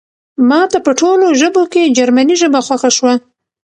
ماته په ټولو ژبو کې جرمني ژبه خوښه شوه